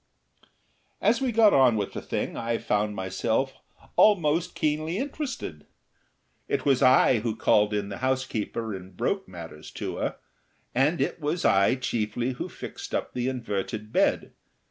As we got on with the thing I found myself almost keenly interested. It was I who called in the housekeeper and broke matters to her, and it was I chiefly who fixed up the inverted bed.